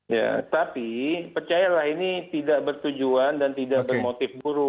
ya tapi percayalah ini tidak bertujuan dan tidak berhasil